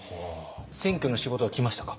選挙の仕事は来ましたか？